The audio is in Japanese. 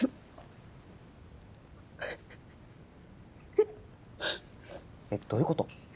えっ？どういうこと？